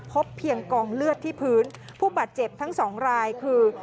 พบเพียงกองเลือดที่พื้นผู้บาดเจ็บทั้งสองรายคือ